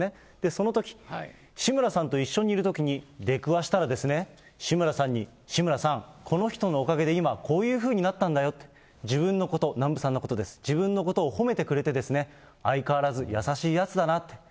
そのとき、志村さんと一緒にいるときに出くわしたらですね、志村さんに、志村さん、この人のおかげで今、こういうふうになったんだよって、自分のこと、南部さんのことです、自分のことを褒めてくれてですね、相変わらず優しいやつだなって。